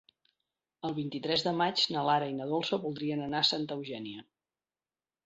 El vint-i-tres de maig na Lara i na Dolça voldrien anar a Santa Eugènia.